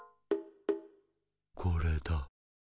これだ。